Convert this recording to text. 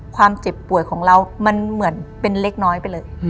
ความเจ็บป่วยของเรามันเหมือนเป็นเล็กน้อยไปเลย